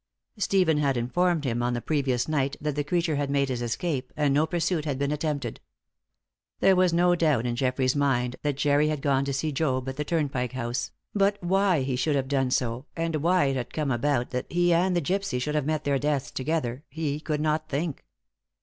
Stephen had informed him on the previous night that the creature had made his escape, and no pursuit had been attempted. There was no doubt in Geoffrey's mind that Jerry had gone to see Job at the Turnpike House; but why he should have done so, and why it had come about that he and the gypsy should have met their deaths together, he could not think.